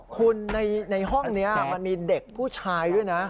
คุณในห้องนี้มันมีเด็กผู้ชายด้วยนะ